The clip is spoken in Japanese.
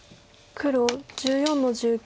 黒１２の十九。